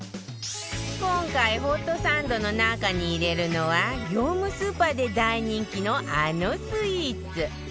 今回ホットサンドの中に入れるのは業務スーパーで大人気のあのスイーツ